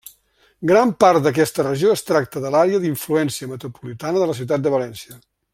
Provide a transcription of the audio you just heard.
Gran part d'aquesta regió es tracta de l'àrea d'influència metropolitana de la Ciutat de València.